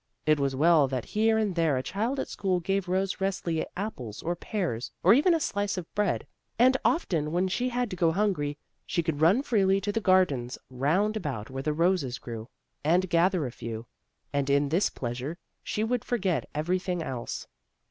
It was well that here and there a child at school gave Rose Resli apples or pears, or even a slice of bread, and often when she had to go hungry, she could run freely to the gardens round about where the roses grew, and gather a few, and in this pleasure she would forget everything else.